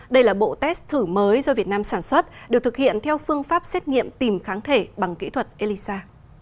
đây là bộ test thử mới do việt nam sản xuất được thực hiện theo phương pháp xét nghiệm tìm kháng thể bằng kỹ thuật elisa